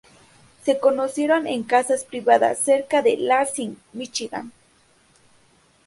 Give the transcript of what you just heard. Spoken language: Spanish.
Se conocieron en casas privadas cerca de Lansing, Michigan.